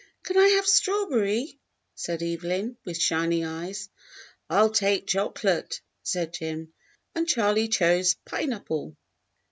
"Can I have strawberry.^" said Evelyn, with shining eyes. "I'll take chocolate," said Jim; and Charley chose pineapple.